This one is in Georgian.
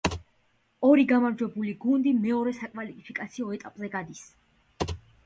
ორი გამარჯვებული გუნდი მეორე საკვალიფიკაციო ეტაპზე გადის.